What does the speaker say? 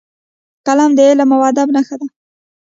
قلم د علم او ادب نښه ده